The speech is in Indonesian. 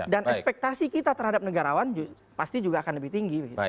dan ekspektasi kita terhadap negarawan pasti juga akan lebih tinggi